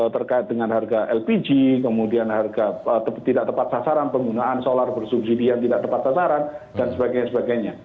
terkait dengan harga lpg kemudian harga tidak tepat sasaran penggunaan solar bersubsidi yang tidak tepat sasaran dan sebagainya